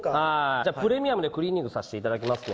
じゃあプレミアムでクリーニングさせていただきますね。